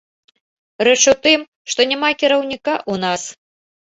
Рэч у тым, што няма кіраўніка ў нас.